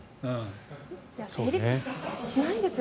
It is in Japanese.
成立しないですよ